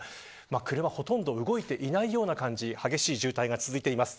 車はほとんど動いていないような感じで激しい渋滞が続いてます。